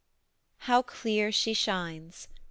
HOW CLEAR SHE SHINES.